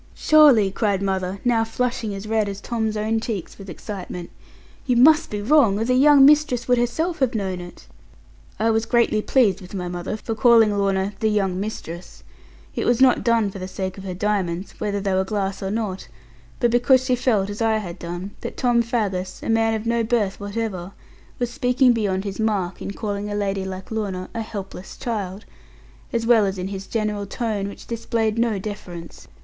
'Surely,' cried mother, now flushing as red as Tom's own cheeks with excitement, 'you must be wrong, or the young mistress would herself have known it.' I was greatly pleased with my mother, for calling Lorna 'the young mistress'; it was not done for the sake of her diamonds, whether they were glass or not; but because she felt as I had done, that Tom Faggus, a man of no birth whatever, was speaking beyond his mark, in calling a lady like Lorna a helpless child; as well as in his general tone, which displayed no deference.